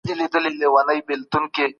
که ئې د پلار په کور کي هم خدمت کوونکي لرل.